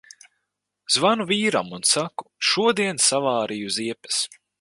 Zvanu vīram un saku: "Šodien savārīju ziepes!"